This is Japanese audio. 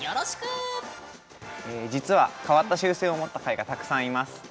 実は変わった習性を持った貝がたくさんいます。